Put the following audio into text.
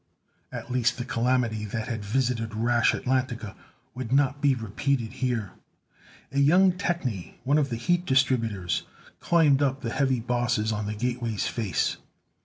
At least the calamity that had visited rash Atlantica would not be repeated here. A young technie, one of the heat distributors, climbed up the heavy bosses on the gateway's face.